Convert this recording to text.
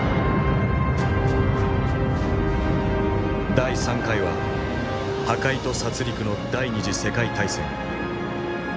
第３回は破壊と殺りくの第二次世界大戦。